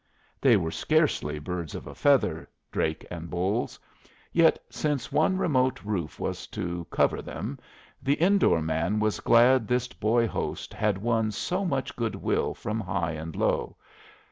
They were scarcely birds of a feather, Drake and Bolles, yet since one remote roof was to cover them, the in door man was glad this boy host had won so much good will from high and low.